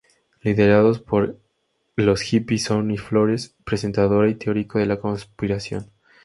Liderados por los hippie Sunny Flores, presentadora y teórico de la conspiración.